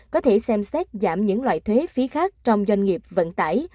có thể xem xét giảm những loại thuế phí khác trong doanh nghiệp vận tải